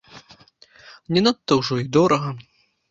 Не надта ўжо і дорага.